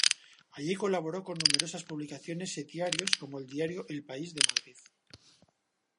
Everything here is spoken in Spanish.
Allí colaboró con numerosas publicaciones y diarios como el diario El País de Madrid.